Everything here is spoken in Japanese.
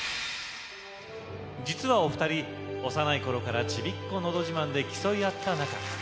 実は、お二人、幼いころから「ちびっこのどじまん」で競い合った仲。